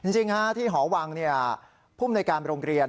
จริงที่หอวังภูมิในการโรงเรียน